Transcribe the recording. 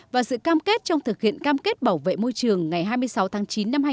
và sự cam kết trong thực hiện cam kết bảo vệ môi trường ngày hai mươi sáu tháng năm